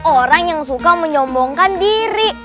orang yang suka menyombongkan diri